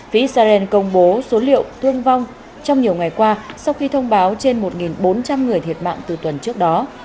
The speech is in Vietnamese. phía israel công bố số liệu thương vong trong nhiều ngày qua sau khi thông báo trên một bốn trăm linh người thiệt mạng từ tuần trước đó